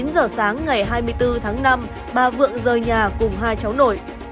chín giờ sáng ngày hai mươi bốn tháng năm bà vượng rời nhà cùng hai cháu nổi